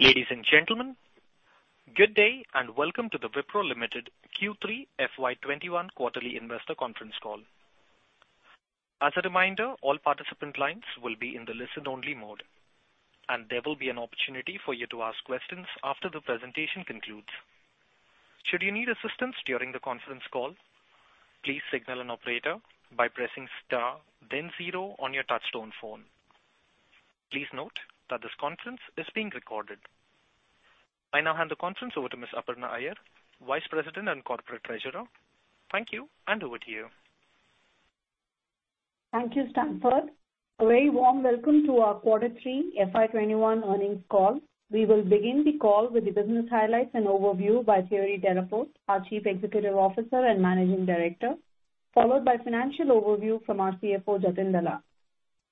Ladies and gentlemen, good day and welcome to the Wipro Limited Q3 FY2021 Quarterly Investor Conference call. As a reminder, all participant lines will be in the listen-only mode, and there will be an opportunity for you to ask questions after the presentation concludes. Should you need assistance during the conference call, please signal an operator by pressing star, then zero on your touch-tone phone. Please note that this conference is being recorded. I now hand the conference over to Ms. Aparna Iyer, Vice President and Corporate Treasurer. Thank you, and over to you. Thank you, Stanford. A very warm welcome to our Quarter 3 FY2021 earnings call. We will begin the call with the business highlights and overview by Thierry Delaporte, our Chief Executive Officer and Managing Director, followed by a financial overview from our CFO, Jatin Dalal.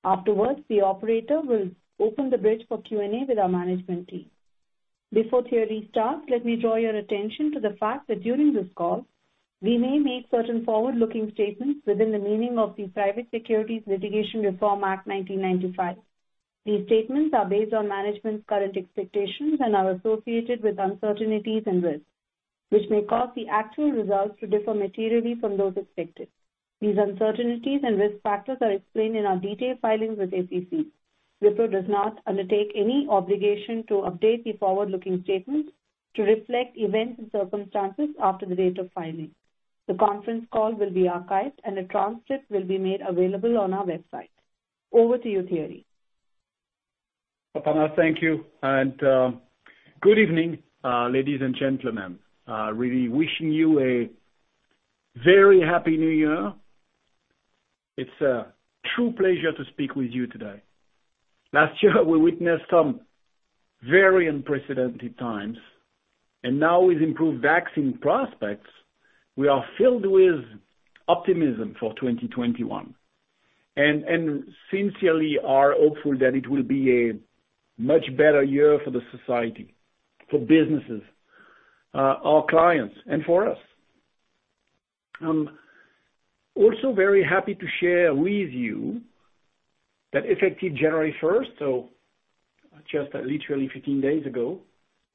Afterwards, the operator will open the bridge for Q&A with our management team. Before Thierry starts, let me draw your attention to the fact that during this call, we may make certain forward-looking statements within the meaning of the Private Securities Litigation Reform Act, 1995. These statements are based on management's current expectations and are associated with uncertainties and risks, which may cause the actual results to differ materially from those expected. These uncertainties and risk factors are explained in our detailed filings with SEC. Wipro does not undertake any obligation to update the forward-looking statements to reflect events and circumstances after the date of filing. The conference call will be archived, and a transcript will be made available on our website. Over to you, Thierry. Aparna, thank you, and good evening, ladies and gentlemen. Really wishing you a very happy New Year. It's a true pleasure to speak with you today. Last year, we witnessed some very unprecedented times, and now, with improved vaccine prospects, we are filled with optimism for 2021, and sincerely, we are hopeful that it will be a much better year for the society, for businesses, our clients, and for us. I'm also very happy to share with you that, effective January 1st, so just literally 15 days ago,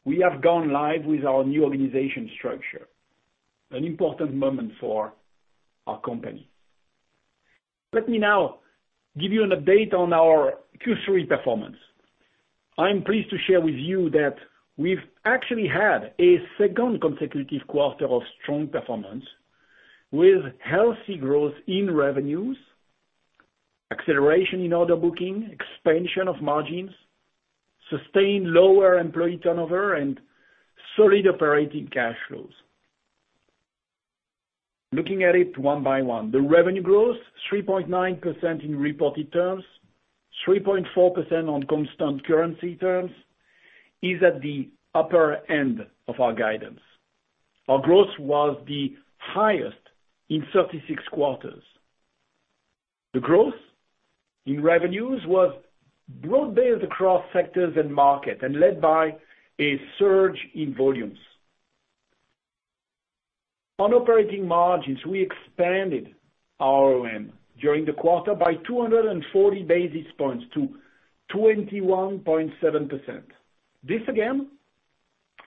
we have gone live with our new organization structure. An important moment for our company. Let me now give you an update on our Q3 performance. I'm pleased to share with you that we've actually had a second consecutive quarter of strong performance, with healthy growth in revenues, acceleration in order booking, expansion of margins, sustained lower employee turnover, and solid operating cash flows. Looking at it one by one, the revenue growth, 3.9% in reported terms, 3.4% on constant currency terms, is at the upper end of our guidance. Our growth was the highest in 36 quarters. The growth in revenues was broad-based across sectors and markets and led by a surge in volumes. On operating margins, we expanded our operating margin during the quarter by 240 basis points to 21.7%. This, again,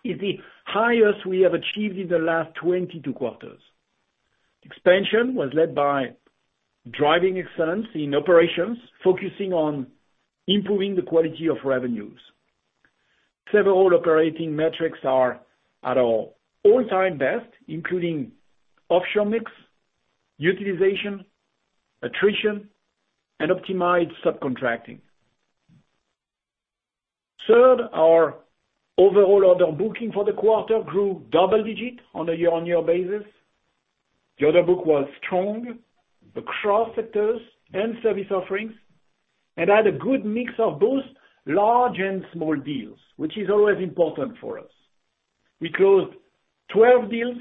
is the highest we have achieved in the last 22 quarters. Expansion was led by driving excellence in operations, focusing on improving the quality of revenues. Several operating metrics are at our all-time best, including offshore mix, utilization, attrition, and optimized subcontracting. Third, our overall order booking for the quarter grew double-digit on a year-on-year basis. The order book was strong across sectors and service offerings and had a good mix of both large and small deals, which is always important for us. We closed 12 deals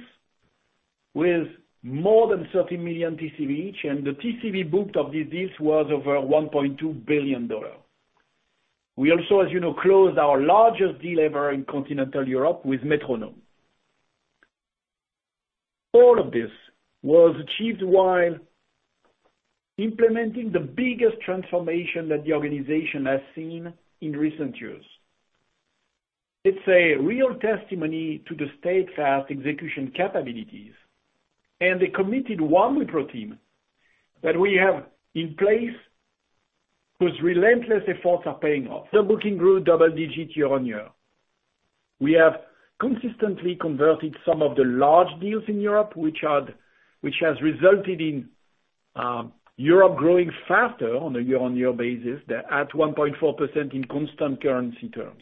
with more than $30 million TCV each, and the TCV booked of these deals was over $1.2 billion. We also, as you know, closed our largest deal ever in Continental Europe with METRO-NOM. All of this was achieved while implementing the biggest transformation that the organization has seen in recent years. It's a real testimony to the state-of-the-art execution capabilities and the committed Wipro team that we have in place whose relentless efforts are paying off. Order booking grew double-digit year-on-year. We have consistently converted some of the large deals in Europe, which has resulted in Europe growing faster on a year-on-year basis at 1.4% in constant currency terms.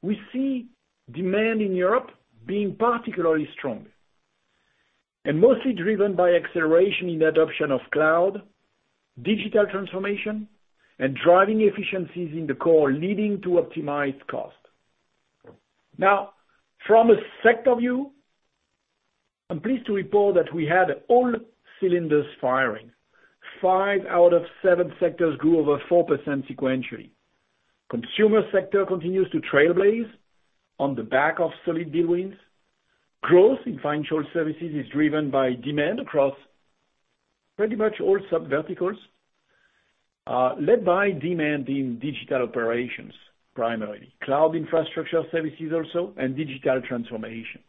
We see demand in Europe being particularly strong and mostly driven by acceleration in adoption of cloud, digital transformation, and driving efficiencies in the core, leading to optimized cost. Now, from a sector view, I'm pleased to report that we had all cylinders firing. Five out of seven sectors grew over 4% sequentially. The consumer sector continues to trailblaze on the back of solid deal wins. Growth in financial services is driven by demand across pretty much all sub-verticals, led by demand in digital operations primarily, cloud infrastructure services also, and digital transformation.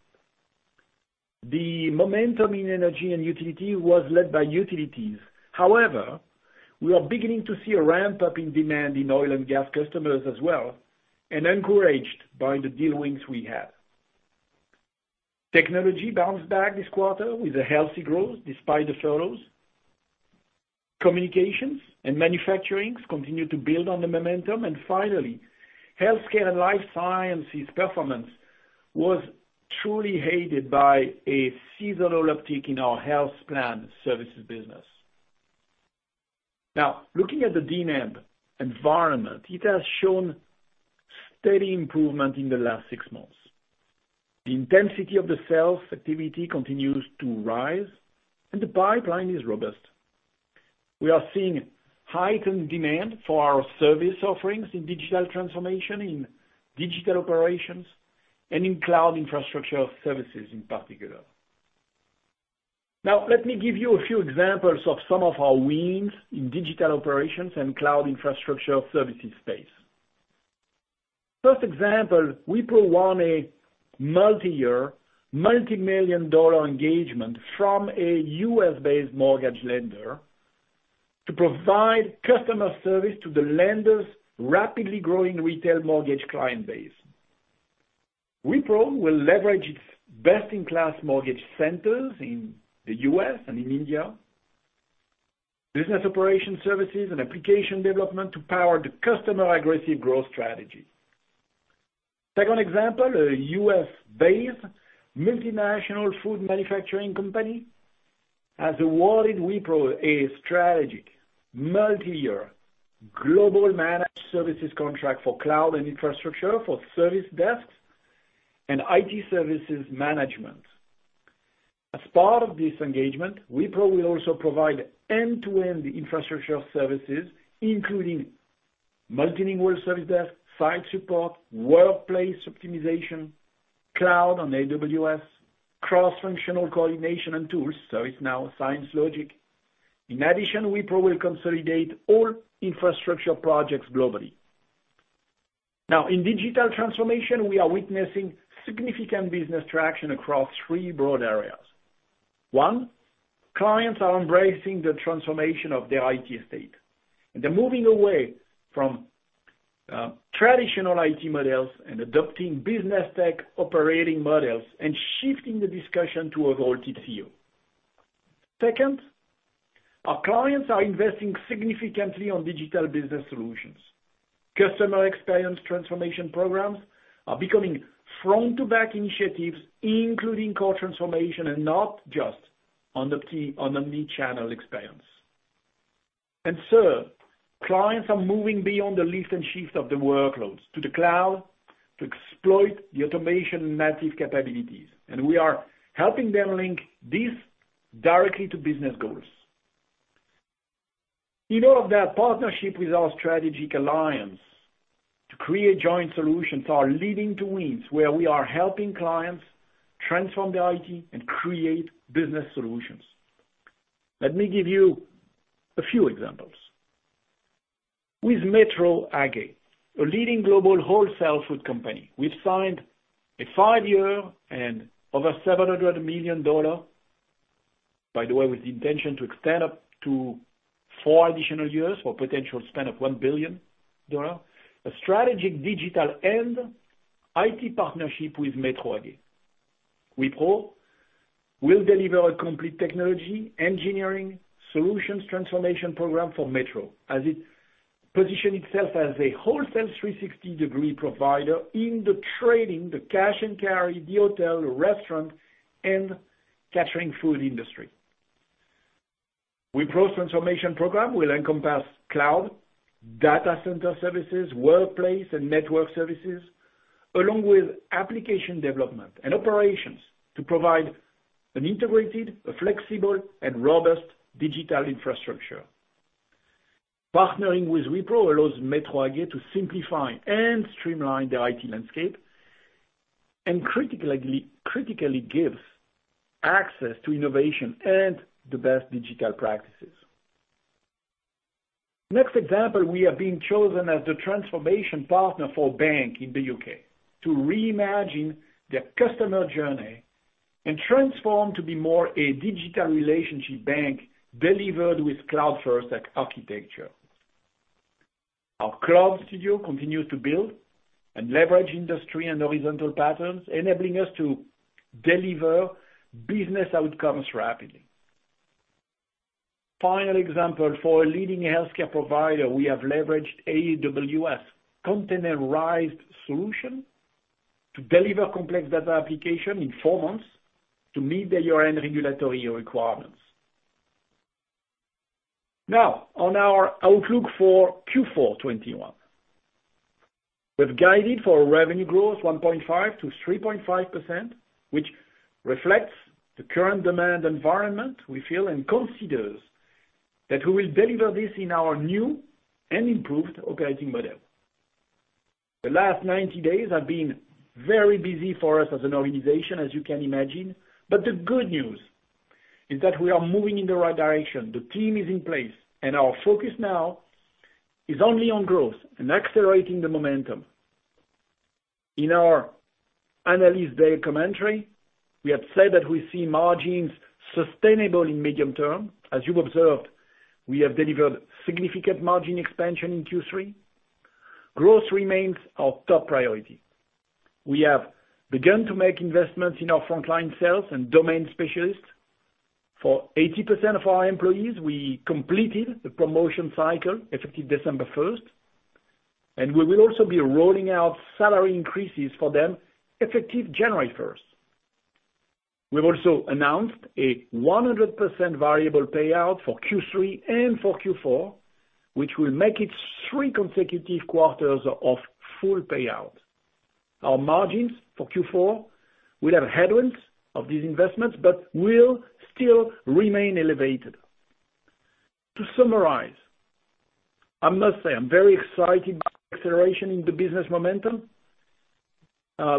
The momentum in energy and utility was led by utilities. However, we are beginning to see a ramp-up in demand in oil and gas customers as well, encouraged by the deal wins we had. Technology bounced back this quarter with a healthy growth despite the furloughs. Communications and manufacturing continued to build on the momentum, and finally, healthcare and life sciences performance was truly aided by a seasonal uptick in our HealthPlan Services business. Now, looking at the demand environment, it has shown steady improvement in the last six months. The intensity of the sales activity continues to rise, and the pipeline is robust. We are seeing heightened demand for our service offerings in digital transformation, in digital operations, and in cloud infrastructure services in particular. Now, let me give you a few examples of some of our wins in digital operations and cloud infrastructure services space. First example, Wipro won a multi-year, multi-million-dollar engagement from a U.S.-based mortgage lender to provide customer service to the lender's rapidly growing retail mortgage client base. Wipro will leverage its best-in-class mortgage centers in the U.S. and in India, business operation services, and application development to power the customer's aggressive growth strategy. Second example, a U.S.-based multinational food manufacturing company has awarded Wipro a strategic multi-year global managed services contract for cloud and infrastructure for service desks and IT services management. As part of this engagement, Wipro will also provide end-to-end infrastructure services, including multilingual service desk, site support, workplace optimization, cloud on AWS, cross-functional coordination and tools, ServiceNow, ScienceLogic. In addition, Wipro will consolidate all infrastructure projects globally. Now, in digital transformation, we are witnessing significant business traction across three broad areas. One, clients are embracing the transformation of their IT estate, and they're moving away from traditional IT models and adopting business tech operating models and shifting the discussion to a valued CIO. Second, our clients are investing significantly in digital business solutions. Customer experience transformation programs are becoming front-to-back initiatives, including core transformation and not just on the channel experience. And third, clients are moving beyond the lift and shift of the workloads to the cloud to exploit the automation native capabilities, and we are helping them link this directly to business goals. In all of that, partnership with our strategic alliance to create joint solutions are leading to wins where we are helping clients transform their IT and create business solutions. Let me give you a few examples. With Metro AG, a leading global wholesale food company, we've signed a five-year and over $700 million, by the way, with the intention to extend up to four additional years for potential spend of $1 billion, a strategic digital and IT partnership with Metro AG. Wipro will deliver a complete technology engineering solutions transformation program for Metro AG, as it positions itself as a wholesale 360-degree provider in the trading, the cash and carry, the hotel, the restaurant, and catering food industry. Wipro's transformation program will encompass cloud, data center services, workplace, and network services, along with application development and operations to provide an integrated, flexible, and robust digital infrastructure. Partnering with Wipro allows Metro AG to simplify and streamline the IT landscape and critically gives access to innovation and the best digital practices. Next example, we have been chosen as the transformation partner for a bank in the U.K. to reimagine their customer journey and transform to be more a digital relationship bank delivered with cloud-first architecture. Our Cloud Studio continues to build and leverage industry and horizontal patterns, enabling us to deliver business outcomes rapidly. Final example, for a leading healthcare provider, we have leveraged AWS containerized solution to deliver complex data application in four months to meet the U.N. regulatory requirements. Now, on our outlook for Q4 2021, we've guided for revenue growth 1.5%-3.5%, which reflects the current demand environment we feel and considers that we will deliver this in our new and improved operating model. The last 90 days have been very busy for us as an organization, as you can imagine. But the good news is that we are moving in the right direction. The team is in place, and our focus now is only on growth and accelerating the momentum. In our analyst day commentary, we have said that we see margins sustainable in medium term. As you've observed, we have delivered significant margin expansion in Q3. Growth remains our top priority. We have begun to make investments in our frontline sales and domain specialists. For 80% of our employees, we completed the promotion cycle effective December 1st, and we will also be rolling out salary increases for them effective January 1st. We've also announced a 100% variable payout for Q3 and for Q4, which will make it three consecutive quarters of full payout. Our margins for Q4 will have headwinds of these investments but will still remain elevated. To summarize, I must say I'm very excited by the acceleration in the business momentum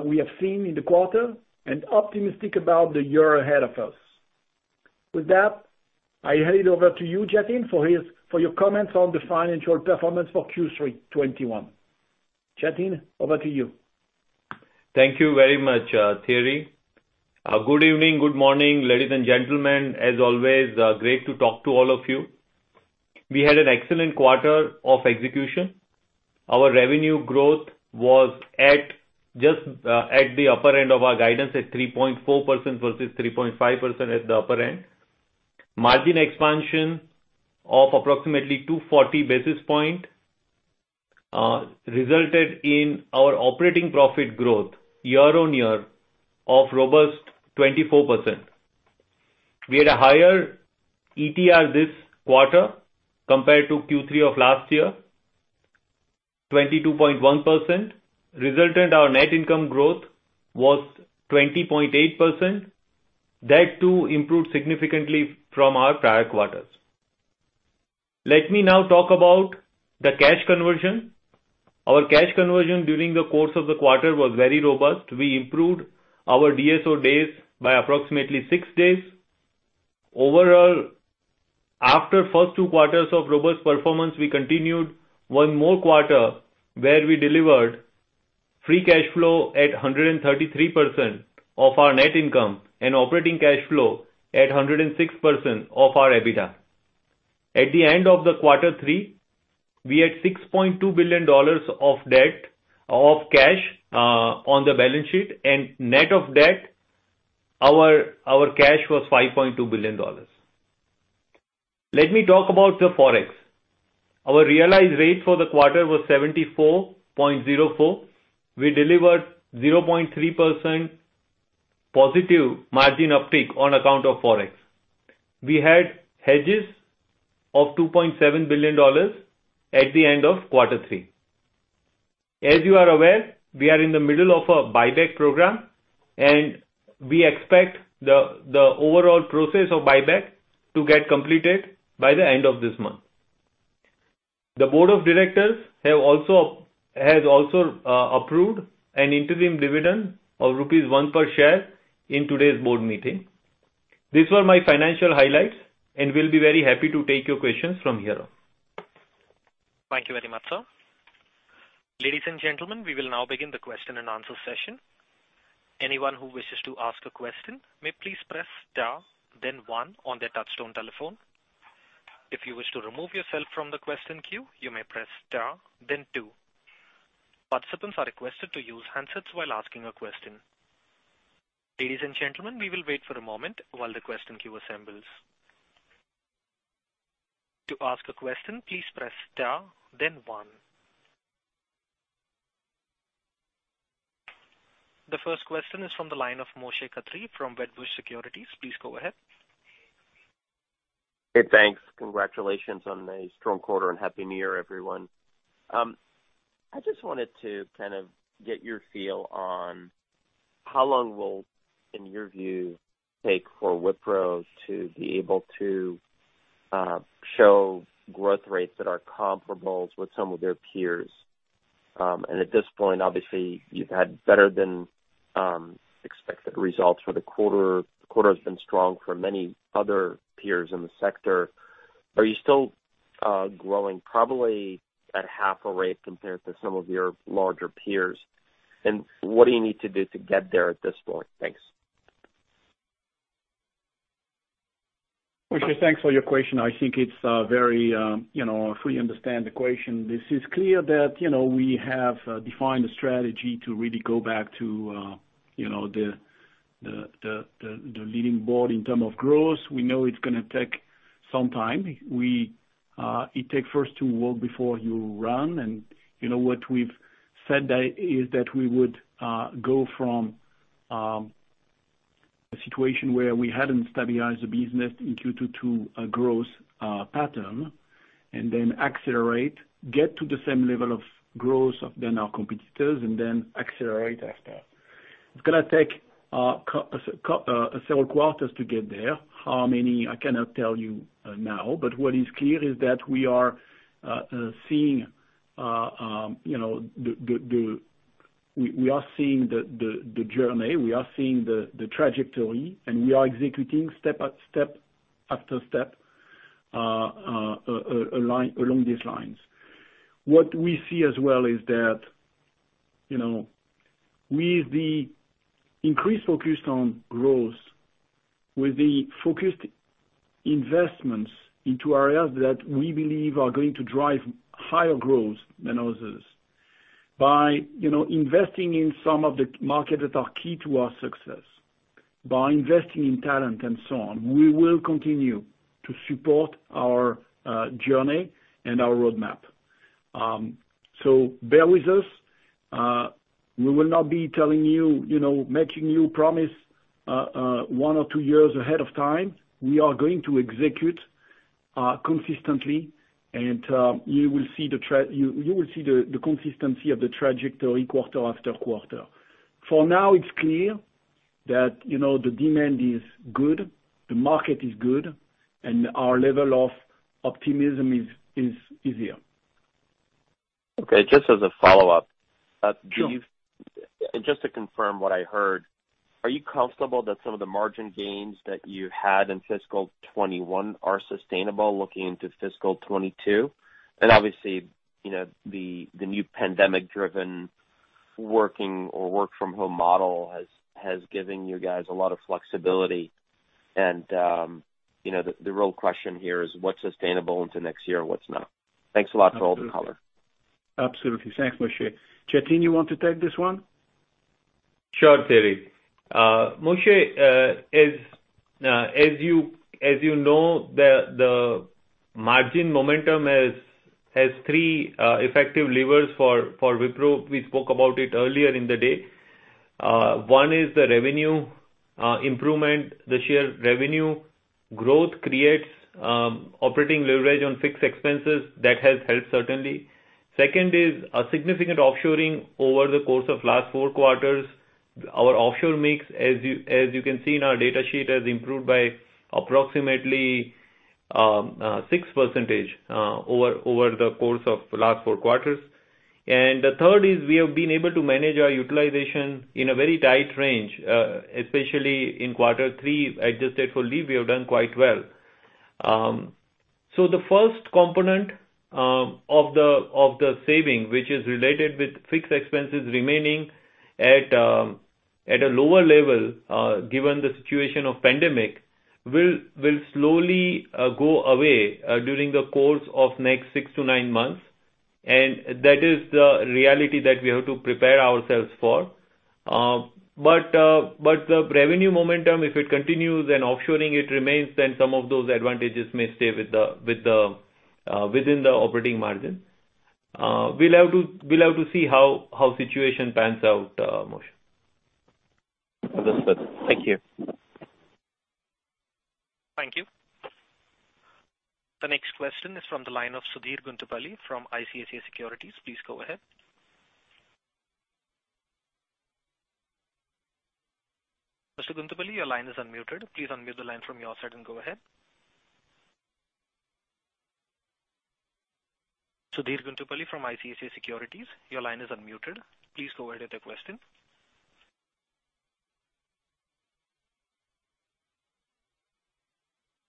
we have seen in the quarter and optimistic about the year ahead of us. With that, I hand it over to you, Jatin, for your comments on the financial performance for Q3 2021. Jatin, over to you. Thank you very much, Thierry. Good evening, good morning, ladies and gentlemen. As always, great to talk to all of you. We had an excellent quarter of execution. Our revenue growth was just at the upper end of our guidance at 3.4% versus 3.5% at the upper end. Margin expansion of approximately 240 basis points resulted in our operating profit growth year-on-year of robust 24%. We had a higher ETR this quarter compared to Q3 of last year, 22.1%, resultant our net income growth was 20.8%. That too improved significantly from our prior quarters. Let me now talk about the cash conversion. Our cash conversion during the course of the quarter was very robust. We improved our DSO days by approximately six days. Overall, after the first two quarters of robust performance, we continued one more quarter where we delivered free cash flow at 133% of our net income and operating cash flow at 106% of our EBITDA. At the end of quarter three, we had $6.2 billion of cash on the balance sheet, and net of debt, our cash was $5.2 billion. Let me talk about the forex. Our realized rate for the quarter was 74.04. We delivered 0.3% positive margin uptake on account of forex. We had hedges of $2.7 billion at the end of quarter three. As you are aware, we are in the middle of a buyback program, and we expect the overall process of buyback to get completed by the end of this month. The board of directors has also approved an interim dividend of ₹1 per share in today's board meeting. These were my financial highlights, and we'll be very happy to take your questions from here on. Thank you very much, sir. Ladies and gentlemen, we will now begin the question and answer session. Anyone who wishes to ask a question may please press star, then one on the touch-tone telephone. If you wish to remove yourself from the question queue, you may press star, then two. Participants are requested to use handsets while asking a question. Ladies and gentlemen, we will wait for a moment while the question queue assembles. To ask a question, please press star, then one. The first question is from the line of Moshe Katri from Wedbush Securities. Please go ahead. Hey, thanks. Congratulations on a strong quarter and happy New Year, everyone. I just wanted to kind of get your feel on how long will, in your view, take for Wipro to be able to show growth rates that are comparable with some of their peers? And at this point, obviously, you've had better-than-expected results for the quarter. The quarter has been strong for many other peers in the sector. Are you still growing probably at half a rate compared to some of your larger peers? And what do you need to do to get there at this point? Thanks. Moshe, thanks for your question. I think it's very, if we understand the question, this is clear that we have defined a strategy to really go back to the leaderboard in terms of growth. We know it's going to take some time. It takes first two weeks before you run. And what we've said is that we would go from a situation where we hadn't stabilized the business in Q2 to a growth pattern, and then accelerate, get to the same level of growth of then our competitors, and then accelerate after. It's going to take several quarters to get there. How many, I cannot tell you now. But what is clear is that we are seeing the journey. We are seeing the trajectory, and we are executing step after step along these lines. What we see as well is that with the increased focus on growth, with the focused investments into areas that we believe are going to drive higher growth than others, by investing in some of the markets that are key to our success, by investing in talent and so on, we will continue to support our journey and our roadmap. So bear with us. We will not be telling you, making you promise one or two years ahead of time. We are going to execute consistently, and you will see the consistency of the trajectory quarter after quarter. For now, it's clear that the demand is good, the market is good, and our level of optimism is here. Okay. Just as a follow-up, do you, and just to confirm what I heard, are you comfortable that some of the margin gains that you had in fiscal 2021 are sustainable looking into fiscal 2022? Obviously, the new pandemic-driven working or work-from-home model has given you guys a lot of flexibility. The real question here is, what's sustainable into next year and what's not? Thanks a lot for all the color. Absolutely. Thanks, Moshe. Jatin, you want to take this one? Sure, Thierry. Moshe, as you know, the margin momentum has three effective levers for Wipro. We spoke about it earlier in the day. One is the revenue improvement. The sheer revenue growth creates operating leverage on fixed expenses. That has helped, certainly. Second is a significant offshoring over the course of last four quarters. Our offshore mix, as you can see in our data sheet, has improved by approximately 6% over the course of the last four quarters, and the third is we have been able to manage our utilization in a very tight range, especially in quarter three, adjusted for leave. We have done quite well, so the first component of the saving, which is related with fixed expenses remaining at a lower level given the situation of pandemic, will slowly go away during the course of the next six to nine months, and that is the reality that we have to prepare ourselves for, but the revenue momentum, if it continues and offshoring it remains, then some of those advantages may stay within the operating margin. We'll have to see how the situation pans out, Moshe. Understood. Thank you. Thank you. The next question is from the line of Sudhir Guntupalli from ICICI Securities. Please go ahead. Mr. Guntupalli, your line is unmuted. Please unmute the line from your side and go ahead. Sudhir Guntupalli from ICICI Securities. Your line is unmuted. Please go ahead with the question.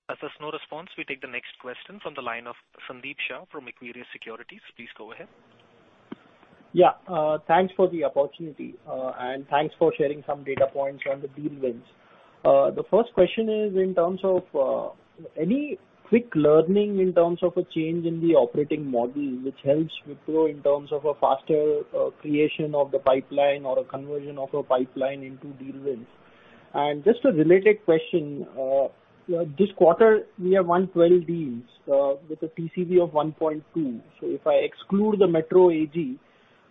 As there's no response, we take the next question from the line of Sandeep Shah from Equirus Securities. Please go ahead. Yeah. Thanks for the opportunity, and thanks for sharing some data points on the deal wins. The first question is in terms of any quick learning in terms of a change in the operating model, which helps Wipro in terms of a faster creation of the pipeline or a conversion of a pipeline into deal wins. And just a related question. This quarter, we have won 12 deals with a TCV of 1.2. So if I exclude the Metro AG,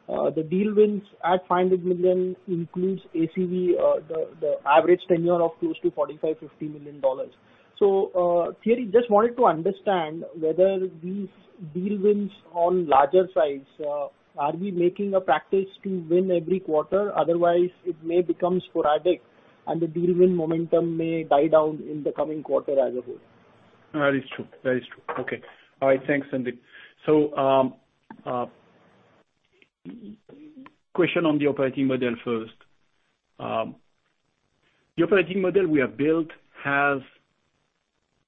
the deal wins at $500 million includes ACV, the average tenure of close to $45 million-$50 million. So Thierry, just wanted to understand whether these deal wins on larger size, are we making a practice to win every quarter? Otherwise, it may become sporadic, and the deal win momentum may die down in the coming quarter as a whole. That is true. That is true. Okay. All right. Thanks, Sandeep. So question on the operating model first. The operating model we have built has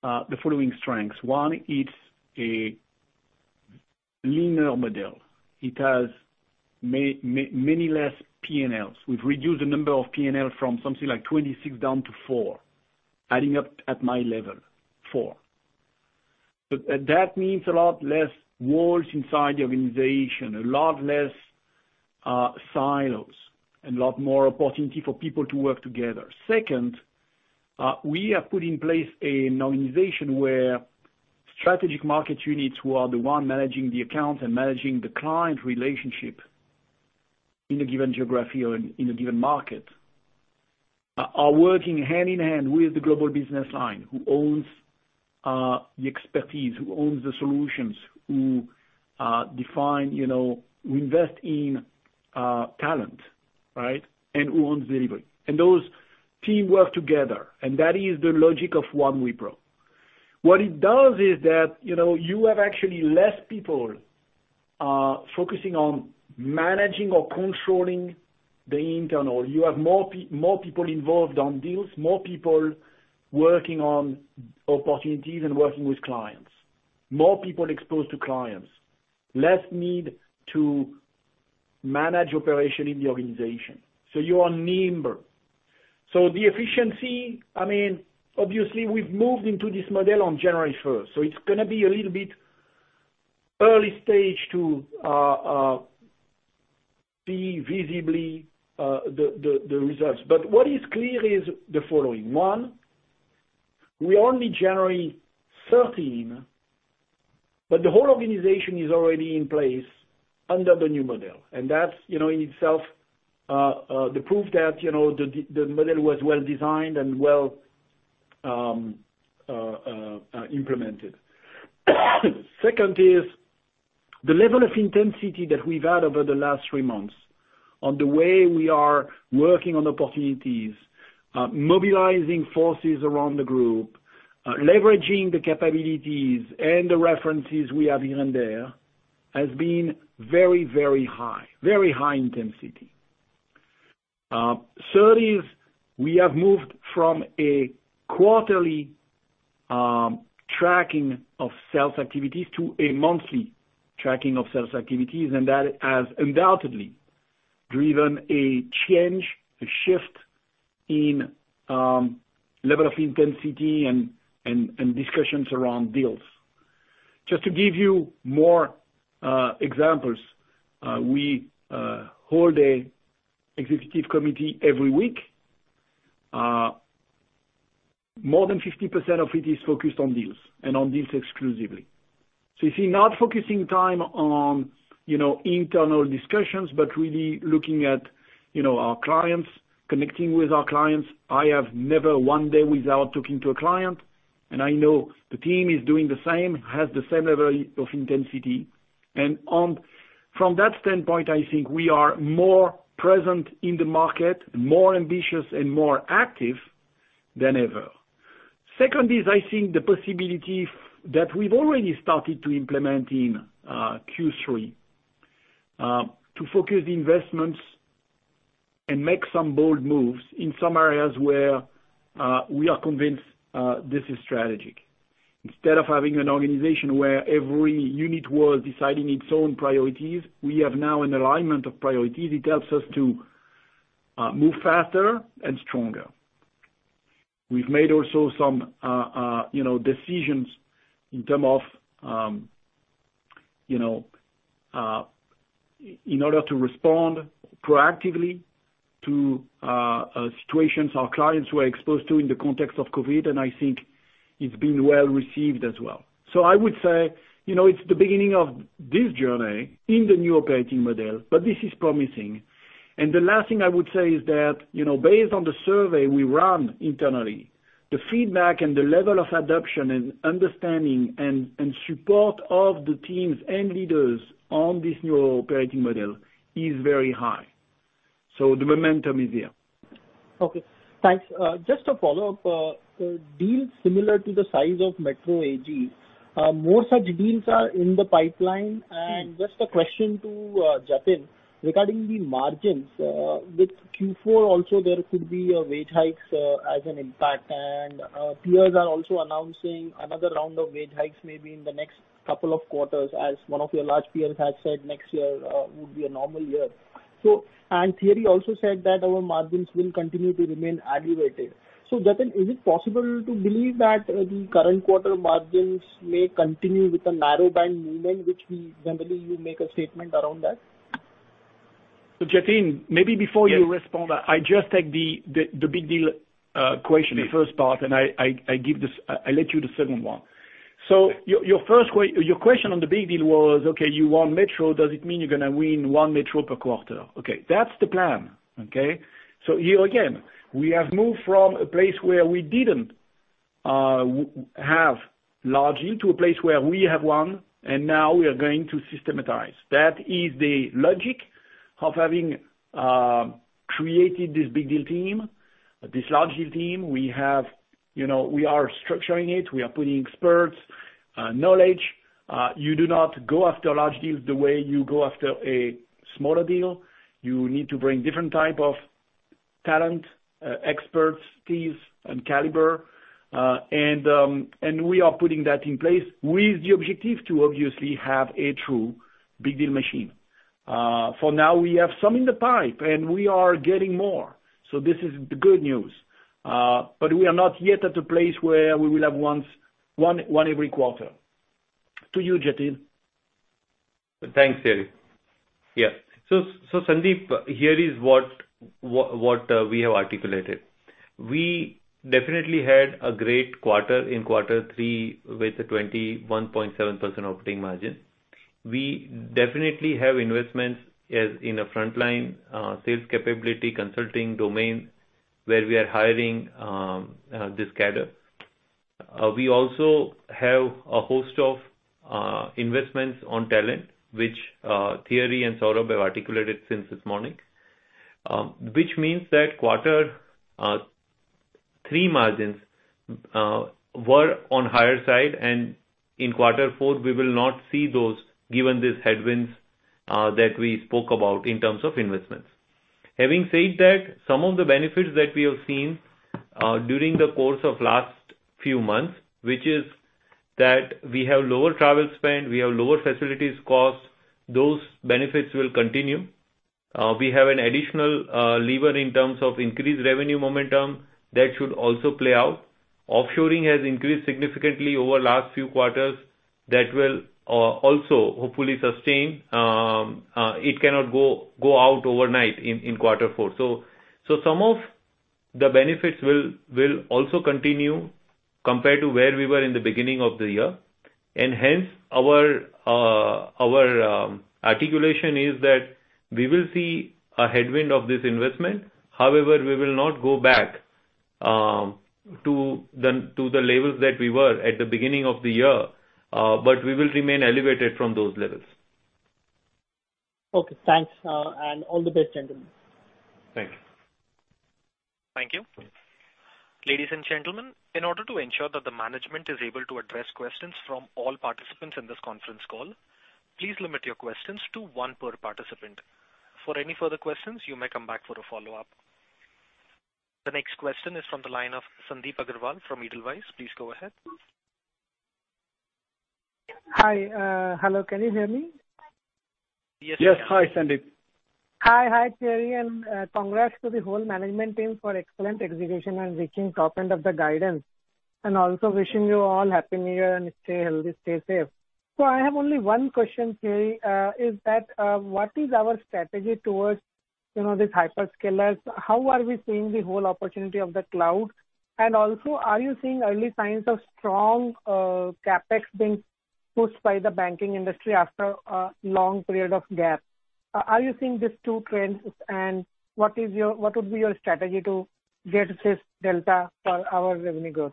the following strengths. One, it is a leaner model. It has many less P&Ls. We have reduced the number of P&L from something like 26 down to four, adding up at my level, four. That means a lot less walls inside the organization, a lot less silos, and a lot more opportunity for people to work together. Second, we have put in place an organization where strategic market units who are the ones managing the accounts and managing the client relationship in a given geography or in a given market are working hand in hand with the global business line who owns the expertise, who owns the solutions, who define—we invest in talent, right? And who owns delivery. And those teams work together. And that is the logic of One Wipro. What it does is that you have actually less people focusing on managing or controlling the internal. You have more people involved on deals, more people working on opportunities and working with clients, more people exposed to clients, less need to manage operation in the organization. So you are nimbler. So the efficiency, I mean, obviously, we've moved into this model on January 1st. So it's going to be a little bit early stage to see visibly the results. But what is clear is the following. One, we are only January 13, but the whole organization is already in place under the new model. And that's in itself the proof that the model was well designed and well implemented. Second is the level of intensity that we've had over the last three months on the way we are working on opportunities, mobilizing forces around the group, leveraging the capabilities and the references we have here and there has been very, very high, very high intensity. Third is we have moved from a quarterly tracking of sales activities to a monthly tracking of sales activities, and that has undoubtedly driven a change, a shift in level of intensity and discussions around deals. Just to give you more examples, we hold an executive committee every week. More than 50% of it is focused on deals and on deals exclusively. So you see, not focusing time on internal discussions, but really looking at our clients, connecting with our clients. I have never one day without talking to a client, and I know the team is doing the same, has the same level of intensity. And from that standpoint, I think we are more present in the market, more ambitious, and more active than ever. Second is I think the possibility that we've already started to implement in Q3 to focus investments and make some bold moves in some areas where we are convinced this is strategic. Instead of having an organization where every unit was deciding its own priorities, we have now an alignment of priorities. It helps us to move faster and stronger. We've made also some decisions in terms of in order to respond proactively to situations our clients were exposed to in the context of COVID, and I think it's been well received as well. So I would say it's the beginning of this journey in the new operating model, but this is promising, and the last thing I would say is that based on the survey we run internally, the feedback and the level of adoption and understanding and support of the teams and leaders on this new operating model is very high. So the momentum is here. Okay. Thanks. Just to follow up, deals similar to the size of Metro AG, more such deals are in the pipeline, and just a question to Jatin regarding the margins. With Q4 also, there could be wage hikes as an impact, and peers are also announcing another round of wage hikes maybe in the next couple of quarters, as one of your large peers has said next year would be a normal year. Thierry also said that our margins will continue to remain elevated. Jatin, is it possible to believe that the current quarter margins may continue with the narrowband movement, which we generally make a statement around that? Jatin, maybe before you respond, I just take the big deal question, the first part, and I let you the second one. Your question on the big deal was, okay, you want Metro. Does it mean you're going to win one Metro per quarter? Okay. That's the plan. Okay. So here again, we have moved from a place where we didn't have large deal to a place where we have won, and now we are going to systematize. That is the logic of having created this big deal team, this large deal team. We are structuring it. We are putting experts, knowledge. You do not go after large deals the way you go after a smaller deal. You need to bring different type of talent, experts, teams, and caliber. And we are putting that in place with the objective to obviously have a true big deal machine. For now, we have some in the pipe, and we are getting more. So this is the good news. But we are not yet at a place where we will have one every quarter. To you, Jatin. Thanks, Thierry. Yeah. So Sandeep, here is what we have articulated. We definitely had a great quarter in quarter three with a 21.7% operating margin. We definitely have investments in a frontline sales capability consulting domain where we are hiring this cadre. We also have a host of investments on talent, which Thierry and Saurabh have articulated since this morning, which means that quarter three margins were on the higher side, and in quarter four, we will not see those given these headwinds that we spoke about in terms of investments. Having said that, some of the benefits that we have seen during the course of the last few months, which is that we have lower travel spend, we have lower facilities costs, those benefits will continue. We have an additional lever in terms of increased revenue momentum that should also play out. Offshoring has increased significantly over the last few quarters that will also hopefully sustain. It cannot go out overnight in quarter four. So some of the benefits will also continue compared to where we were in the beginning of the year. And hence, our articulation is that we will see a headwind of this investment. However, we will not go back to the levels that we were at the beginning of the year, but we will remain elevated from those levels. Okay. Thanks. And all the best, gentlemen. Thank you. Thank you. Ladies and gentlemen, in order to ensure that the management is able to address questions from all participants in this conference call, please limit your questions to one per participant. For any further questions, you may come back for a follow-up. The next question is from the line of Sandip Agarwal from Edelweiss. Please go ahead. Hi. Hello. Can you hear me? Yes. Yes. Hi, Sandip. Hi. Hi, Thierry. Congrats to the whole management team for excellent execution and reaching top end of the guidance. Also wishing you all happy New Year and stay healthy, stay safe. I have only one question, Thierry. What is our strategy towards these hyperscalers? How are we seeing the whole opportunity of the cloud? Also, are you seeing early signs of strong CapEx being pushed by the banking industry after a long period of gap? Are you seeing these two trends, and what would be your strategy to get this delta for our revenue growth?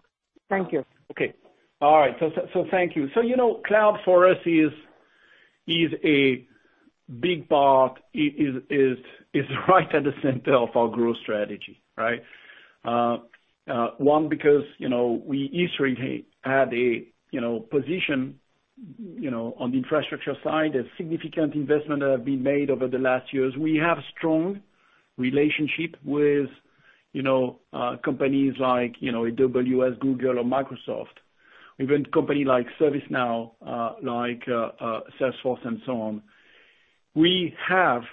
Thank you. Okay. All right. Thank you. Cloud for us is a big part, is right at the center of our growth strategy, right? One, because we easily had a position on the infrastructure side, a significant investment that has been made over the last years. We have a strong relationship with companies like AWS, Google, or Microsoft, even companies like ServiceNow, like Salesforce, and so on. We have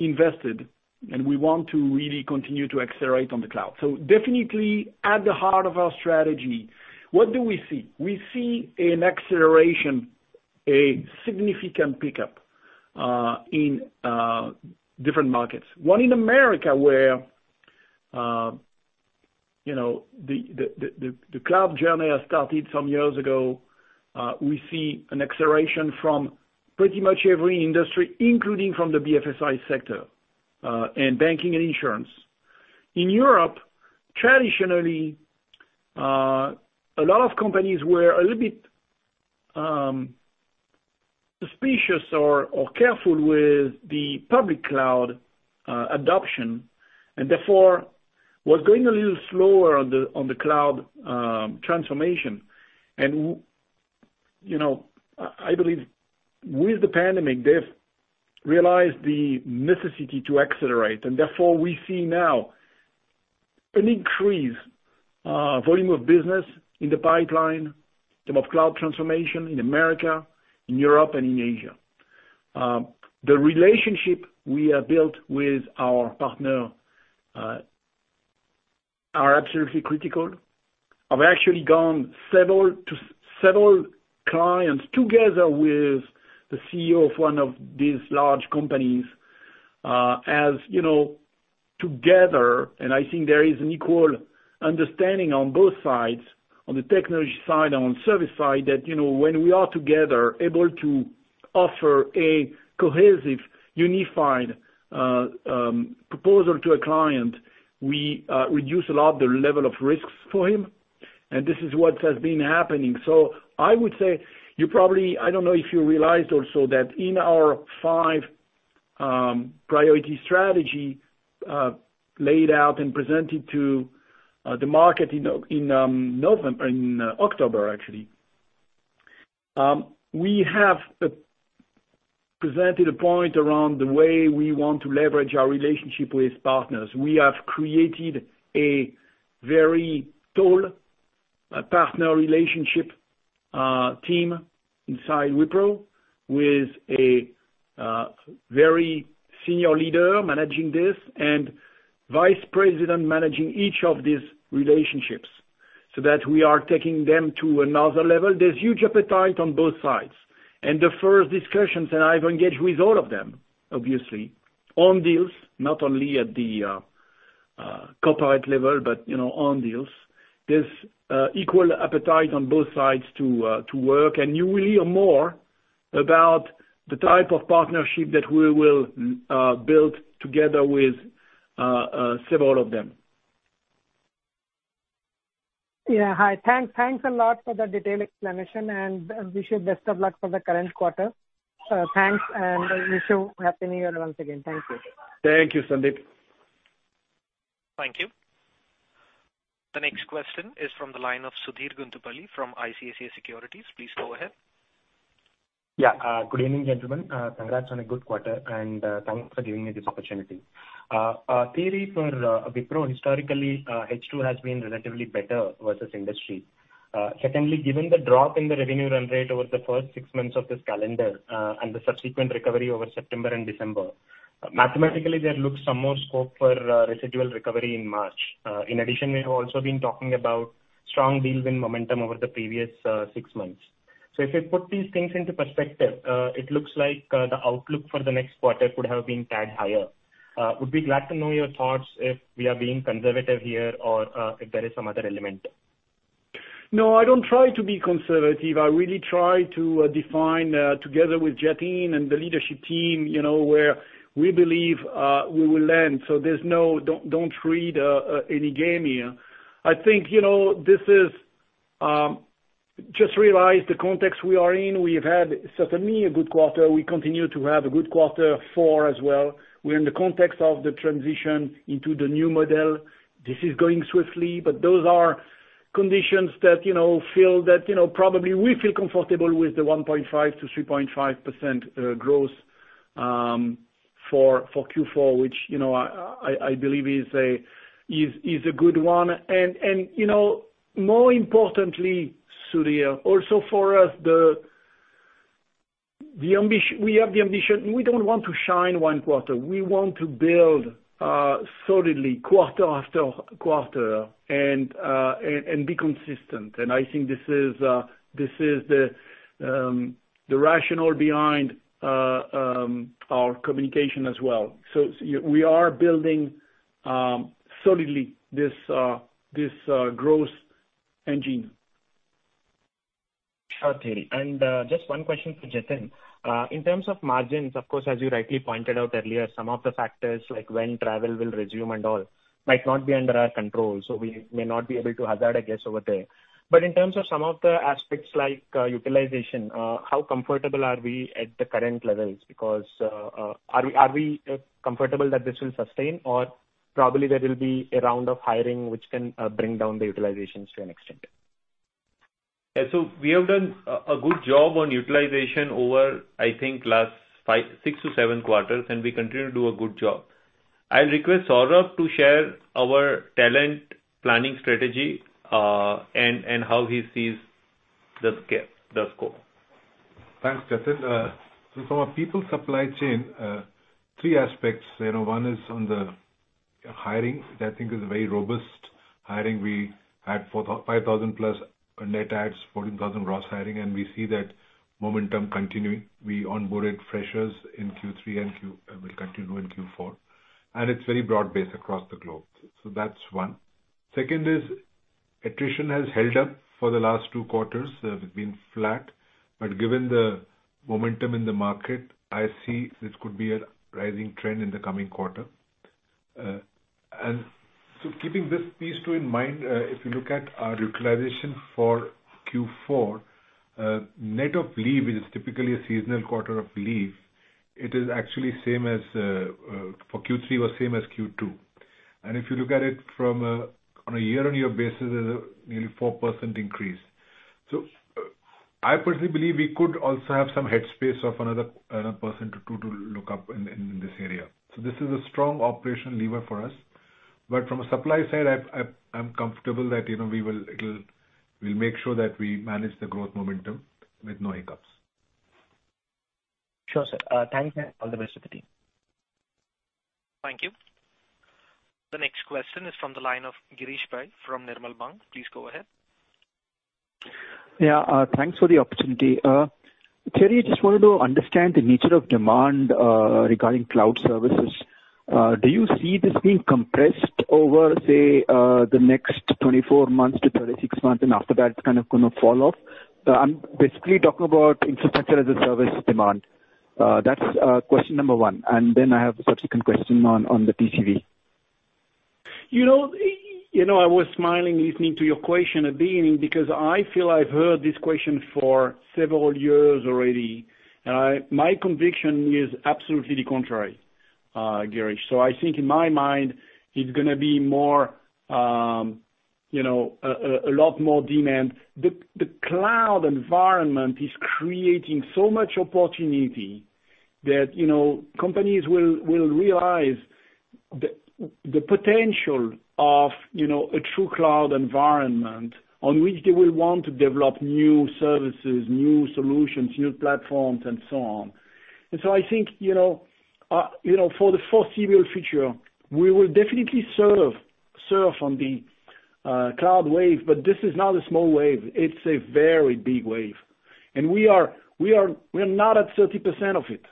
invested, and we want to really continue to accelerate on the cloud. So definitely at the heart of our strategy, what do we see? We see an acceleration, a significant pickup in different markets. One in America where the cloud journey has started some years ago, we see an acceleration from pretty much every industry, including from the BFSI sector and banking and insurance. In Europe, traditionally, a lot of companies were a little bit suspicious or careful with the public cloud adoption, and therefore was going a little slower on the cloud transformation. And I believe with the pandemic, they've realized the necessity to accelerate. Therefore, we see now an increased volume of business in the pipeline of cloud transformation in America, in Europe, and in Asia. The relationship we have built with our partner are absolutely critical. I've actually won several clients together with the CEO of one of these large companies together, and I think there is an equal understanding on both sides, on the technology side and on the service side, that when we are together able to offer a cohesive, unified proposal to a client, we reduce a lot the level of risks for him. This is what has been happening. I would say you probably, I don't know if you realized also that in our five priority strategy laid out and presented to the market in October, actually, we have presented a point around the way we want to leverage our relationship with partners. We have created a very tall partner relationship team inside Wipro with a very senior leader managing this and vice president managing each of these relationships so that we are taking them to another level. There's huge appetite on both sides. And the first discussions, and I've engaged with all of them, obviously, on deals, not only at the corporate level, but on deals. There's equal appetite on both sides to work, and you will hear more about the type of partnership that we will build together with several of them. Yeah. Hi. Thanks a lot for the detailed explanation, and wish you best of luck for the current quarter. Thanks, and wish you happy New Year once again. Thank you. Thank you, Sandip. Thank you. The next question is from the line of Sudheer Guntupalli from ICICI Securities. Please go ahead. Yeah. Good evening, gentlemen. Congrats on a good quarter, and thanks for giving me this opportunity. Thierry, for Wipro, historically, H2 has been relatively better versus industry. Secondly, given the drop in the revenue run rate over the first six months of this calendar and the subsequent recovery over September and December, mathematically, there looks like some more scope for residual recovery in March. In addition, we have also been talking about strong deal win momentum over the previous six months. So if we put these things into perspective, it looks like the outlook for the next quarter could have been a bit higher. Would be glad to know your thoughts if we are being conservative here or if there is some other element. No, I don't try to be conservative. I really try to define together with Jatin and the leadership team where we believe we will land. So don't read any gaming here. I think this is just to realize the context we are in. We've had, certainly, a good quarter. We continue to have a good quarter four as well. We're in the context of the transition into the new model. This is going swiftly, but those are conditions that I feel that probably we feel comfortable with the 1.5%-3.5% growth for Q4, which I believe is a good one. And more importantly, Sudhir, also for us, we have the ambition. We don't want to shine one quarter. We want to build solidly quarter after quarter and be consistent. And I think this is the rationale behind our communication as well. So we are building solidly this growth engine. Sure, Thierry. And just one question for Jatin. In terms of margins, of course, as you rightly pointed out earlier, some of the factors like when travel will resume and all might not be under our control, so we may not be able to hazard a guess over there. But in terms of some of the aspects like utilization, how comfortable are we at the current levels? Because are we comfortable that this will sustain, or probably there will be a round of hiring which can bring down the utilizations to an extent? Yeah. So we have done a good job on utilization over, I think, last six to seven quarters, and we continue to do a good job. I'll request Saurabh to share our talent planning strategy and how he sees the scope. Thanks, Jatin. From a people supply chain, three aspects. One is on the hiring. I think it's a very robust hiring. We had 5,000-plus net adds, 14,000 gross hiring, and we see that momentum continuing. We onboarded freshers in Q3 and will continue in Q4, and it's very broad-based across the globe, so that's one. Second is attrition has held up for the last two quarters. It's been flat, but given the momentum in the market, I see this could be a rising trend in the coming quarter, and so keeping this piece too in mind, if you look at our utilization for Q4, net of leave, which is typically a seasonal quarter of leave, it is actually same as for Q3 was same as Q2, and if you look at it from a year-on-year basis, there's a nearly 4% increase, so I personally believe we could also have some headroom of another percent to pick up in this area, so this is a strong operational lever for us. But from a supply side, I'm comfortable that we'll make sure that we manage the growth momentum with no hiccups. Sure, sir. Thanks, and all the best to the team. Thank you. The next question is from the line of Girish Pai from Nirmal Bang. Please go ahead. Yeah. Thanks for the opportunity. Thierry, I just wanted to understand the nature of demand regarding cloud services. Do you see this being compressed over, say, the next 24-36 months, and after that, it's kind of going to fall off? I'm basically talking about infrastructure as a service demand. That's question number one. And then I have a subsequent question on the TCV. You know I was smiling listening to your question at the beginning because I feel I've heard this question for several years already. And my conviction is absolutely the contrary, Girish. So I think in my mind, it's going to be a lot more demand. The cloud environment is creating so much opportunity that companies will realize the potential of a true cloud environment on which they will want to develop new services, new solutions, new platforms, and so on. And so I think for the foreseeable future, we will definitely surf on the cloud wave, but this is not a small wave. It's a very big wave. And we are not at 30% of it.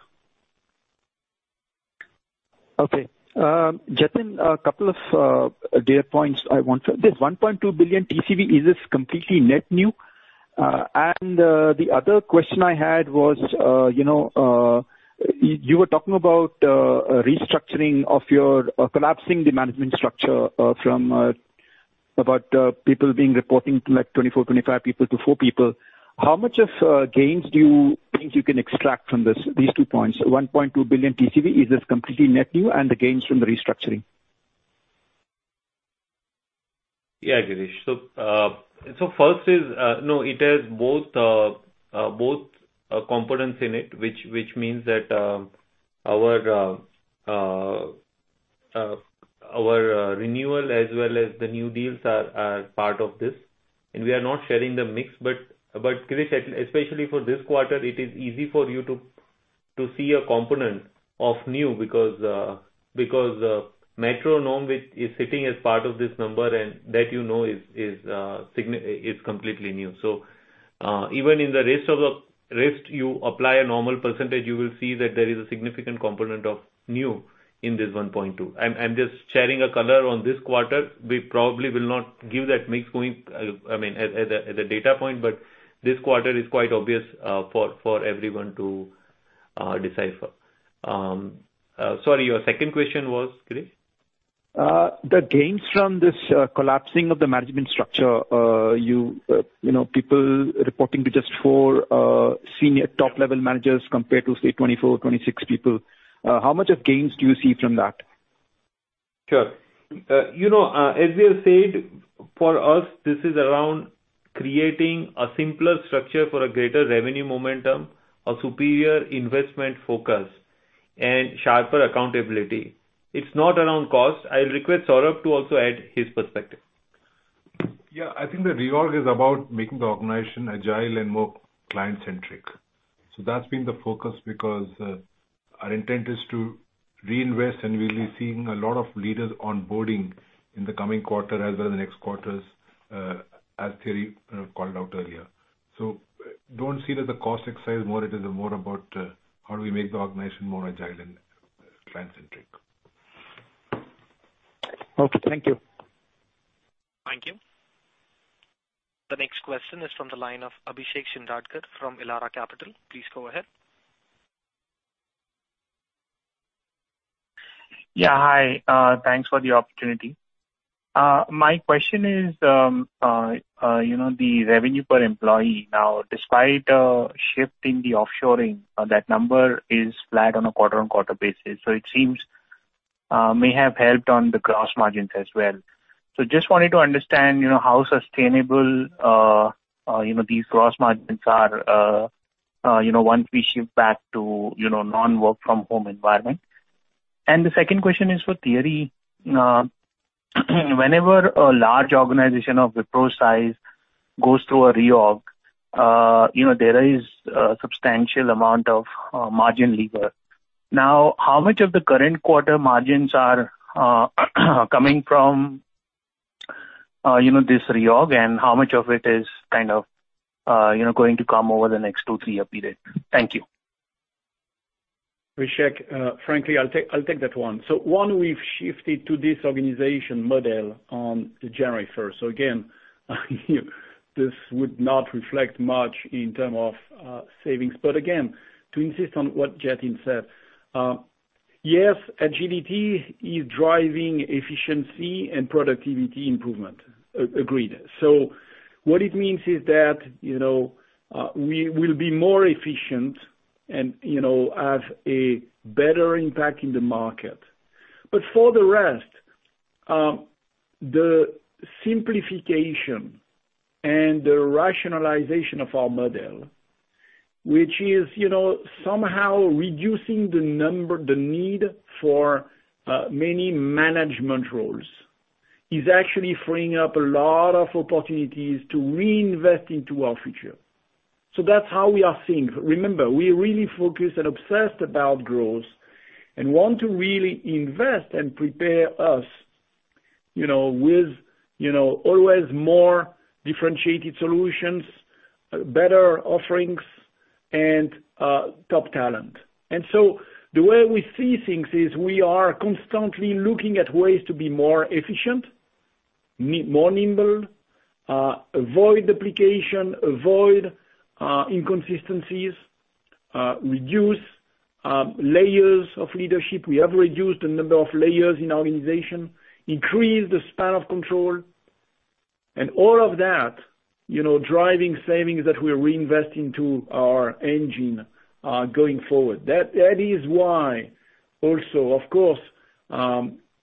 Okay. Jatin, a couple of data points I want to. This 1.2 billion TCV, is this completely net new? And the other question I had was you were talking about restructuring of your collapsing the management structure from about people being reporting like 24, 25 people to 4 people. How much of gains do you think you can extract from these two points? 1.2 billion TCV, is this completely net new, and the gains from the restructuring? Yeah, Girish. So first is, no, it has both components in it, which means that our renewal as well as the new deals are part of this. And we are not sharing the mix. But, Girish, especially for this quarter, it is easy for you to see a component of new because METRO-NOM, which is sitting as part of this number and that you know is completely new. So even in the rest, you apply a normal percentage, you will see that there is a significant component of new in this 1.2. I'm just sharing a color on this quarter. We probably will not give that mix going at the data point, but this quarter is quite obvious for everyone to decipher. Sorry, your second question was, Girish? The gains from this collapsing of the management structure, people reporting to just four senior top-level managers compared to, say, 24, 26 people. How much of gains do you see from that? Sure. As we have said, for us, this is around creating a simpler structure for a greater revenue momentum, a superior investment focus, and sharper accountability. It's not around cost. I'll request Saurabh to also add his perspective. Yeah. I think the reorg is about making the organization agile and more client-centric. So that's been the focus because our intent is to reinvest, and we'll be seeing a lot of leaders onboarding in the coming quarter as well as the next quarters, as Thierry called out earlier. So don't see it as a cost exercise, more it is about how do we make the organization more agile and client-centric. Okay. Thank you. Thank you. The next question is from the line of Abhishek Shindadkar from Elara Capital. Please go ahead. Yeah. Hi. Thanks for the opportunity. My question is the revenue per employee now, despite a shift in the offshoring, that number is flat on a quarter-on-quarter basis. So it seems may have helped on the gross margins as well. So just wanted to understand how sustainable these gross margins are once we shift back to non-work-from-home environment. And the second question is for Thierry. Whenever a large organization of Wipro size goes through a reorg, there is a substantial amount of margin lever. Now, how much of the current quarter margins are coming from this reorg, and how much of it is kind of going to come over the next two, three-year period? Thank you. Abhishek, frankly, I'll take that one. So one, we've shifted to this organization model on January 1st. So again, this would not reflect much in terms of savings. But again, to insist on what Jatin said, yes, agility is driving efficiency and productivity improvement. Agreed. So what it means is that we will be more efficient and have a better impact in the market. But for the rest, the simplification and the rationalization of our model, which is somehow reducing the need for many management roles, is actually freeing up a lot of opportunities to reinvest into our future. So that's how we are seeing. Remember, we are really focused and obsessed about growth and want to really invest and prepare us with always more differentiated solutions, better offerings, and top talent. And so the way we see things is we are constantly looking at ways to be more efficient, more nimble, avoid duplication, avoid inconsistencies, reduce layers of leadership. We have reduced the number of layers in our organization, increased the span of control, and all of that driving savings that we reinvest into our engine going forward. That is why also, of course,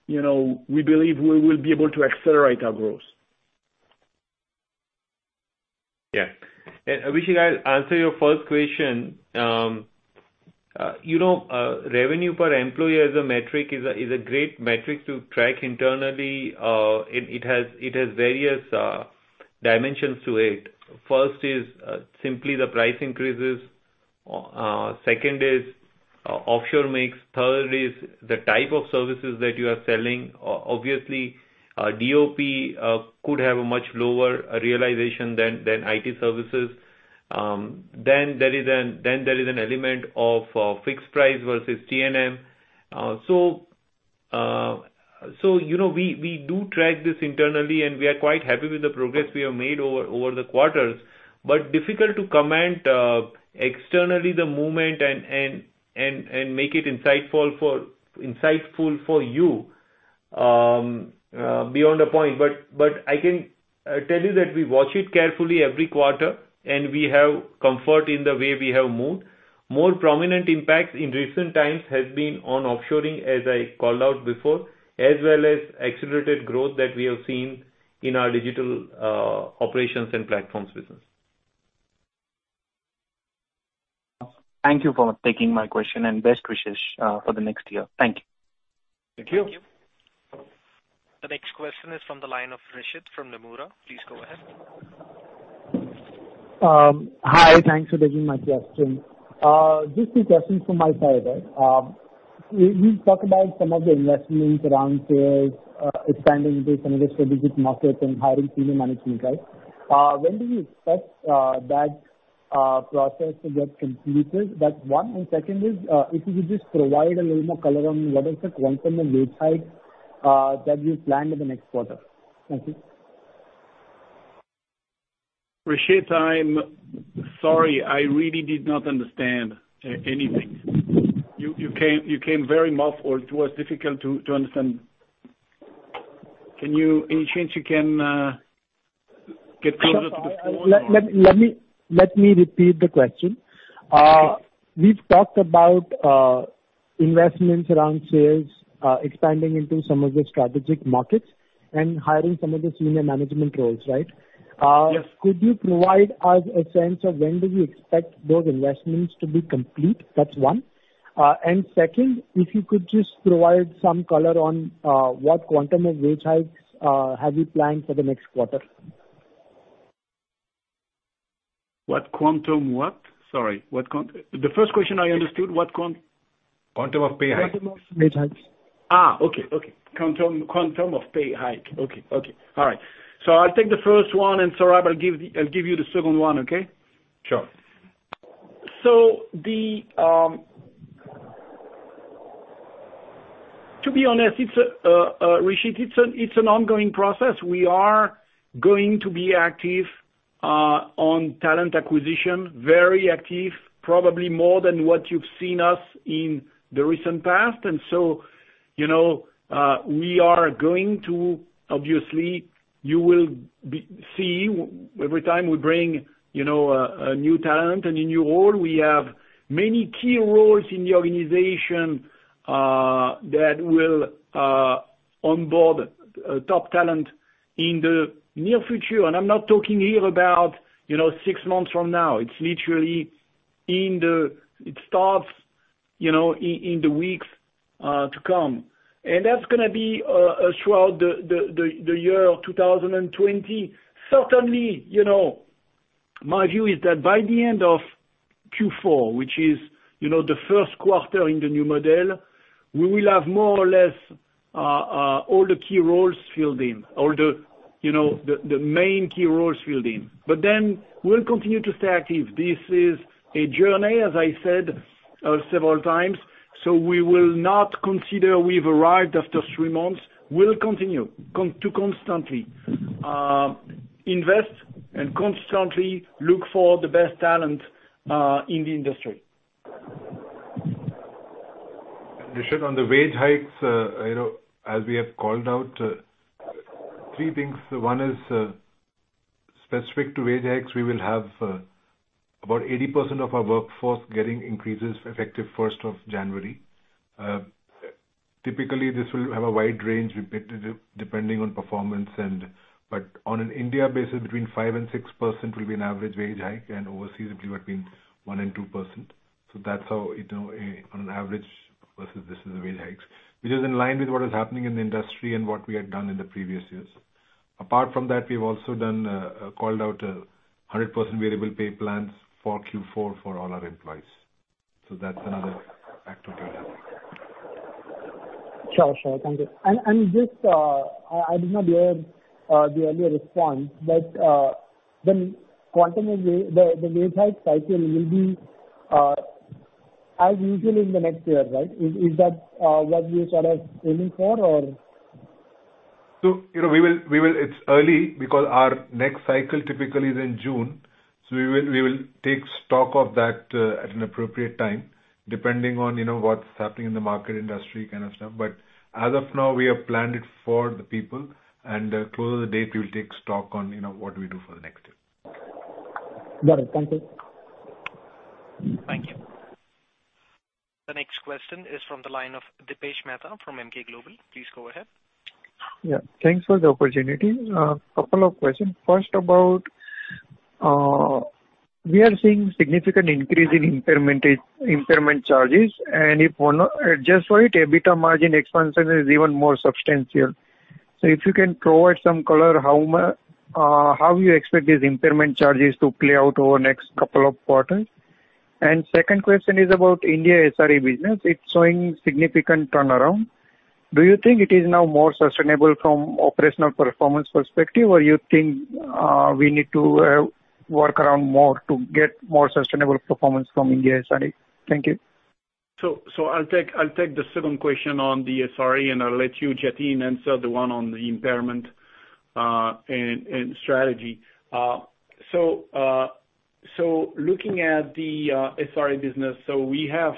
we believe we will be able to accelerate our growth. Yeah. And Abhishek, I'll answer your first question. Revenue per employee as a metric is a great metric to track internally. It has various dimensions to it. First is simply the price increases. Second is offshore mix. Third is the type of services that you are selling. Obviously, DOP could have a much lower realization than IT services. Then there is an element of fixed price versus T&M. So we do track this internally, and we are quite happy with the progress we have made over the quarters, but difficult to comment externally the movement and make it insightful for you beyond a point. But I can tell you that we watch it carefully every quarter, and we have comfort in the way we have moved. More prominent impacts in recent times have been on offshoring, as I called out before, as well as accelerated growth that we have seen in our digital operations and platforms business. Thank you for taking my question and best wishes for the next year. Thank you. Thank you. Thank you. The next question is from the line of Rishit from Nomura. Please go ahead. Hi. Thanks for taking my question. Just two questions from my side. We've talked about some of the investments around sales, expanding into some of the strategic markets, and hiring senior management, right? When do you expect that process to get completed? That's one. And second is, if you could just provide a little more color on what is the quantum of wage hikes that you planned in the next quarter. Thank you. Rishit, I'm sorry. I really did not understand anything. You came very muffled. It was difficult to understand. In any case, can you get closer to the phone? Let me repeat the question. We've talked about investments around sales, expanding into some of the strategic markets, and hiring some of the senior management roles, right? Could you provide us a sense of when do we expect those investments to be complete? That's one. And second, if you could just provide some color on what quantum of wage hikes have you planned for the next quarter? What quantum what? Sorry. The first question I understood, what quantum? Quantum of pay hikes. Quantum of wage hikes. Okay. Okay. Quantum of pay hike. Okay. Okay. All right. So I'll take the first one, and Saurabh, I'll give you the second one, okay? Sure. So to be honest, Rishit, it's an ongoing process. We are going to be active on talent acquisition, very active, probably more than what you've seen us in the recent past. And so we are going to, obviously, you will see every time we bring a new talent and a new role, we have many key roles in the organization that will onboard top talent in the near future. And I'm not talking here about six months from now. It's literally. It starts in the weeks to come. And that's going to be throughout the year 2020. Certainly, my view is that by the end of Q4, which is the first quarter in the new model, we will have more or less all the key roles filled in, all the main key roles filled in. But then we'll continue to stay active. This is a journey, as I said several times. So we will not consider we've arrived after three months. We'll continue to constantly invest and constantly look for the best talent in the industry. Rishit, on the wage hikes, as we have called out, three things. One is specific to wage hikes. We will have about 80% of our workforce getting increases effective 1st of January. Typically, this will have a wide range depending on performance. But on an India basis, between 5%-6% will be an average wage hike, and overseas, it will be between 1%-2%. So that's how on average the wage hikes, which is in line with what is happening in the industry and what we had done in the previous years. Apart from that, we have also called out 100% variable pay plans for Q4 for all our employees. So that's another factor we'll have. Sure. Sure. Thank you. And I did not hear the earlier response, but the wage hike cycle will be, as usual, in the next year, right? Is that what we're sort of aiming for, or? So it's early because our next cycle typically is in June. So we will take stock of that at an appropriate time, depending on what's happening in the market, industry kind of stuff. But as of now, we have planned it for the people, and closer to the date, we will take stock on what we do for the next year. Got it. Thank you. Thank you. The next question is from the line of Dipesh Mehta from Emkay Global Financial Services. Please go ahead. Yeah. Thanks for the opportunity. A couple of questions. First, about we are seeing significant increase in impairment charges, and if one just for it, EBITDA margin expansion is even more substantial. So if you can provide some color, how you expect these impairment charges to play out over the next couple of quarters? And second question is about India ISRE business. It's showing significant turnaround. Do you think it is now more sustainable from operational performance perspective, or you think we need to work around more to get more sustainable performance from India ISRE? Thank you. I'll take the second question on the ISRE, and I'll let you, Jatin, answer the one on the impairment and strategy. So looking at the ISRE business, we have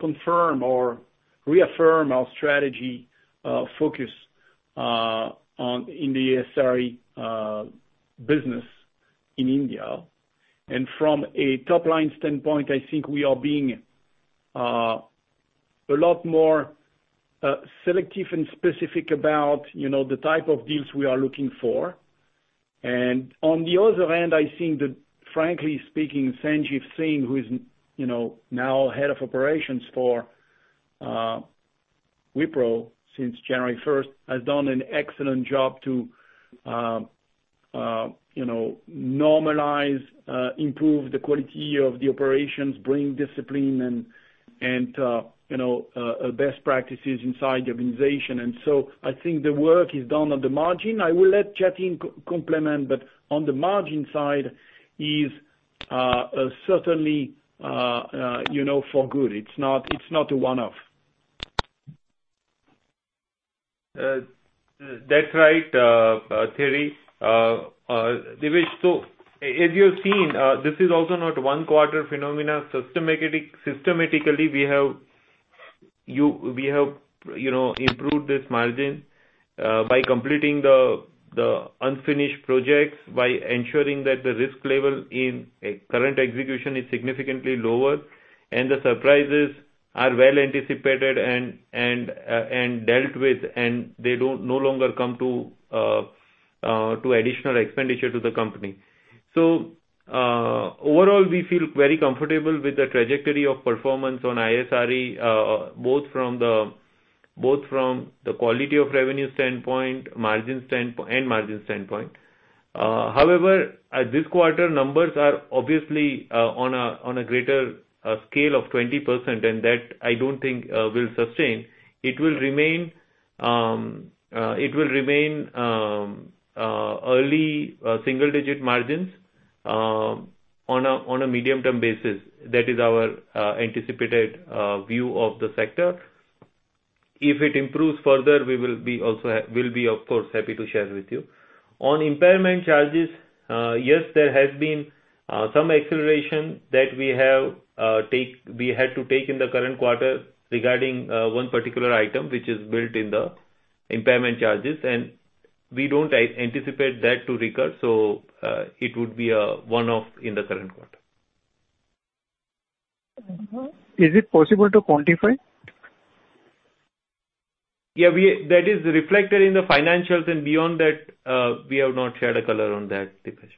confirmed or reaffirmed our strategy focus in the ISRE business in India. And from a top-line standpoint, I think we are being a lot more selective and specific about the type of deals we are looking for. And on the other hand, I think that, frankly speaking, Sanjeev Singh, who is now head of operations for Wipro since January 1st, has done an excellent job to normalize, improve the quality of the operations, bring discipline, and best practices inside the organization. And so I think the work is done on the margin. I will let Jatin comment, but on the margin side is certainly for good. It's not a one-off. That's right, Thierry. As you've seen, this is also not a one-quarter phenomenon. Systematically, we have improved this margin by completing the unfinished projects, by ensuring that the risk level in current execution is significantly lower, and the surprises are well anticipated and dealt with, and they no longer come to additional expenditure to the company. So overall, we feel very comfortable with the trajectory of performance on ISRE, both from the quality of revenue standpoint and margin standpoint. However, at this quarter, numbers are obviously on a greater scale of 20%, and that I don't think will sustain. It will remain early single-digit margins on a medium-term basis. That is our anticipated view of the sector. If it improves further, we will be, of course, happy to share with you. On impairment charges, yes, there has been some acceleration that we had to take in the current quarter regarding one particular item, which is built in the impairment charges, and we don't anticipate that to recur. So it would be a one-off in the current quarter. Is it possible to quantify? Yeah. That is reflected in the financials, and beyond that, we have not shared a color on that, Dipesh.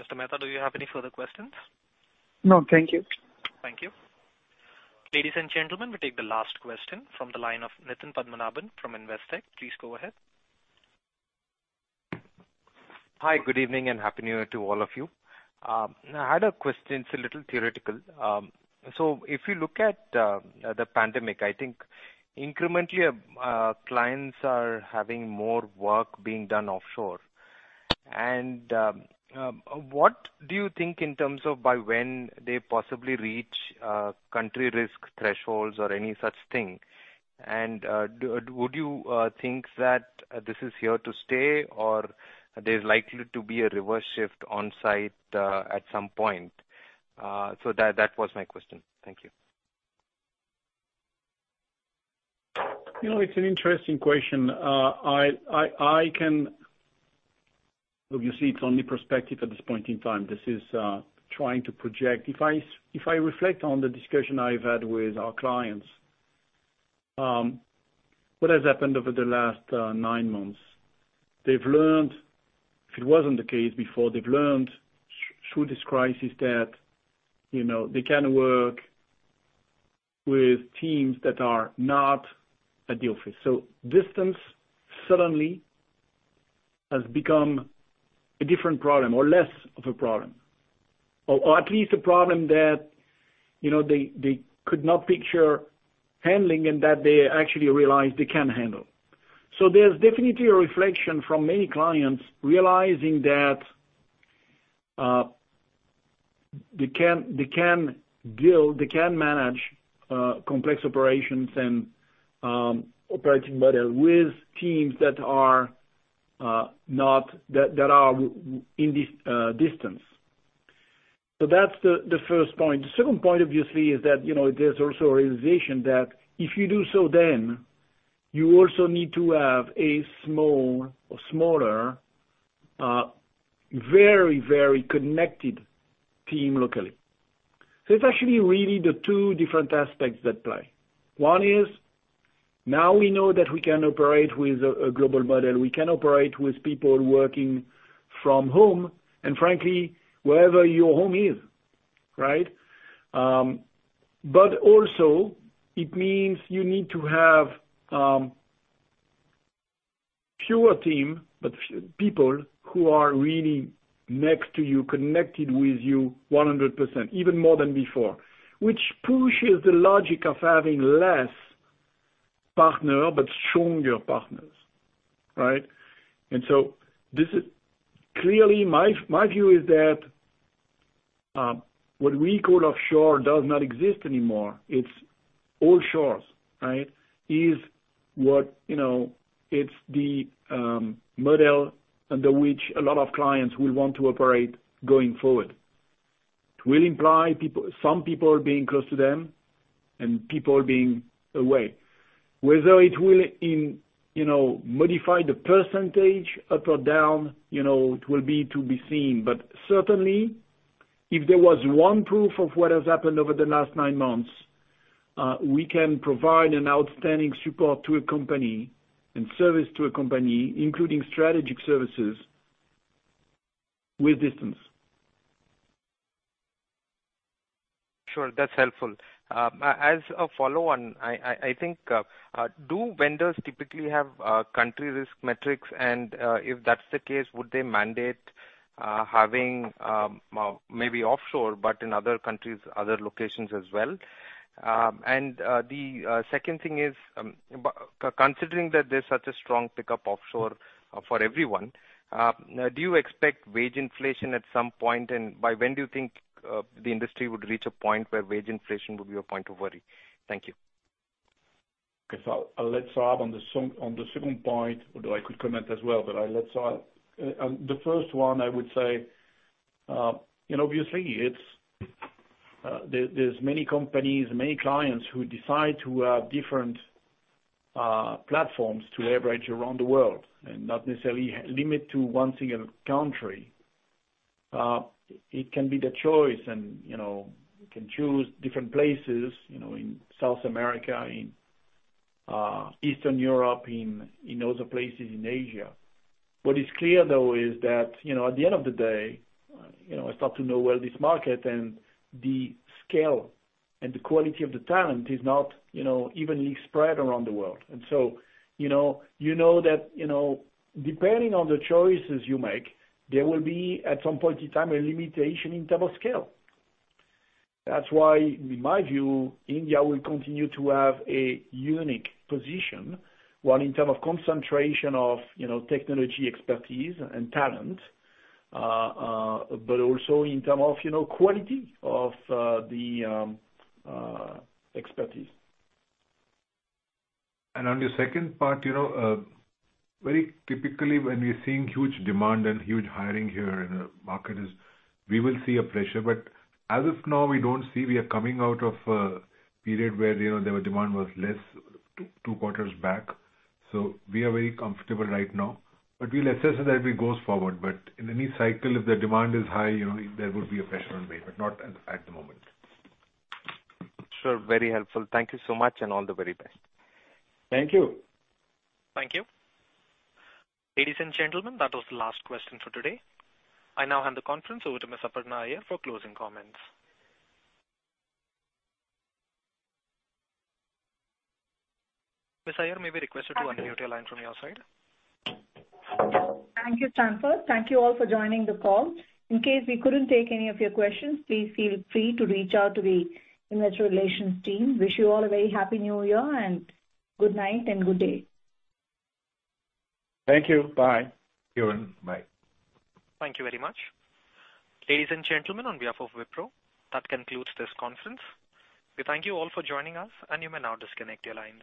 Mr. Mehta, do you have any further questions? No. Thank you. Thank you. Ladies and gentlemen, we take the last question from the line of Nitin Padmanabhan from Investec. Please go ahead. Hi. Good evening and happy New Year to all of you. I had a question. It's a little theoretical. So if you look at the pandemic, I think incrementally, clients are having more work being done offshore. What do you think in terms of by when they possibly reach country risk thresholds or any such thing? And would you think that this is here to stay, or there's likely to be a reverse shift onsite at some point? That was my question. Thank you. It's an interesting question. Obviously, it's only perspective at this point in time. This is trying to project. If I reflect on the discussion I've had with our clients, what has happened over the last nine months? If it wasn't the case before, they've learned through this crisis that they can work with teams that are not at the office. Distance suddenly has become a different problem or less of a problem, or at least a problem that they could not picture handling and that they actually realize they can handle. There's definitely a reflection from many clients realizing that they can build, they can manage complex operations and operating model with teams that are in distance. That's the first point. The second point, obviously, is that there's also a realization that if you do so, then you also need to have a small or smaller, very, very connected team locally. It's actually really the two different aspects that play. One is now we know that we can operate with a global model. We can operate with people working from home and, frankly, wherever your home is, right? But also, it means you need to have fewer teams, but people who are really next to you, connected with you 100%, even more than before, which pushes the logic of having less partners but stronger partners, right? And so clearly, my view is that what we call offshore does not exist anymore. It's all shores, right? That's what the model is under which a lot of clients will want to operate going forward. It will imply some people being close to them and people being away. Whether it will modify the percentage up or down, it remains to be seen. But certainly, if there was one proof of what has happened over the last nine months, we can provide outstanding support to a company and service to a company, including strategic services with distance. Sure. That's helpful. As a follow-on, I think, do vendors typically have country risk metrics? And if that's the case, would they mandate having maybe offshore, but in other countries, other locations as well? The second thing is, considering that there's such a strong pickup offshore for everyone, do you expect wage inflation at some point? And by when do you think the industry would reach a point where wage inflation would be a point of worry? Thank you. Okay. I'll let Saurabh on the second point, although I could comment as well, but I'll let Saurabh. The first one, I would say, obviously, there's many companies, many clients who decide to have different platforms to leverage around the world and not necessarily limit to one single country. It can be the choice, and you can choose different places in South America, in Eastern Europe, in other places in Asia. What is clear, though, is that at the end of the day, I start to know well this market, and the scale and the quality of the talent is not evenly spread around the world. And so you know that depending on the choices you make, there will be, at some point in time, a limitation in terms of scale. That's why, in my view, India will continue to have a unique position, one in terms of concentration of technology expertise and talent, but also in terms of quality of the expertise. And on the second part, very typically, when we're seeing huge demand and huge hiring here in the market, we will see a pressure. But as of now, we don't see we are coming out of a period where the demand was less two quarters back. So we are very comfortable right now. But we'll assess as it goes forward. But in any cycle, if the demand is high, there will be a pressure on wage, but not at the moment. Sure. Very helpful. Thank you so much, and all the very best. Thank you. Thank you. Ladies and gentlemen, that was the last question for today. I now hand the conference over to Mr. Padmanabh Iyer for closing comments. Mr. Iyer, may we request you to unmute your line from your side? Thank you, Stanford. Thank you all for joining the call. In case we couldn't take any of your questions, please feel free to reach out to the Investor Relations team. Wish you all a very happy New Year and good night and good day. Thank you. Bye. Thank you. Bye. Thank you very much. Ladies and gentlemen, on behalf of Wipro, that concludes this conference. We thank you all for joining us, and you may now disconnect your lines.